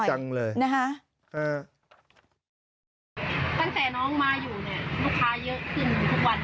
ตั้งแต่น้องมาอยู่ลูกค้าเยอะขึ้นทุกวันทุกวันเลย